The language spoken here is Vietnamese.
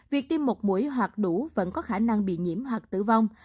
việc tiêm một mũi hoặc đủ vẫn có khả năng bị nhiễm hoặc tử vong